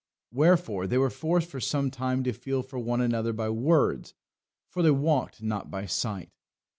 Wherefore they were forced for some time to feel for one another by words, for they walked not by sight.